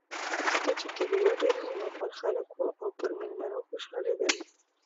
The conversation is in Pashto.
ځکه چې کلیوال ډېر مېلمه پال خلک و او پر مېلمنو خوشحالېدل.